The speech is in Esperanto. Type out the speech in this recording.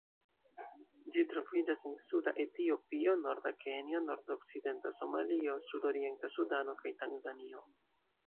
Ĝi troviĝas en suda Etiopio, norda Kenjo, nordokcidenta Somalio, sudorienta Sudano kaj Tanzanio.